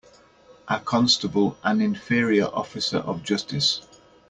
A constable an inferior officer of justice.